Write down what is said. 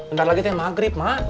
ntar lagi saya maghrib mah